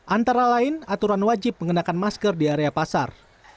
antara lain aturan wajib mengenakan masker di area pasar